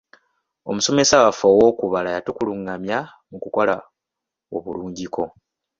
Omusomesa waffe ow'okubala yatukulungamya mu kukola obulungiko.